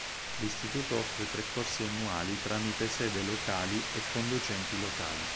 L'istituto offre tre corsi annuali tramite sedi locali e con docenti locali.